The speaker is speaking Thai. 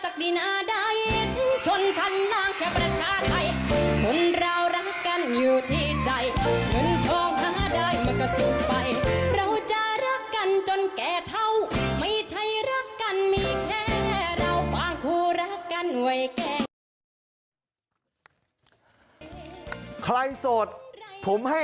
คนเรารักกันอยู่ที่ใจเหมือนทองหาได้มันก็สุดไป